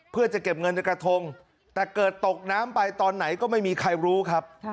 เพื่อจะเก็บเงินในกระทงแต่เกิดตกน้ำไปตอนไหนก็ไม่มีใครรู้ครับ